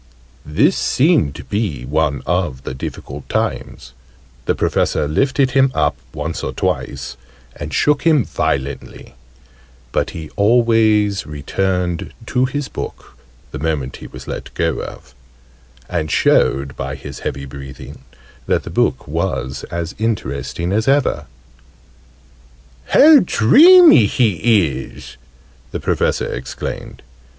This seemed to be one of the difficult times: the Professor lifted him up, once or twice, and shook him violently: but he always returned to his book the moment he was let go of, and showed by his heavy breathing that the book was as interesting as ever. "How dreamy he is!" the Professor exclaimed.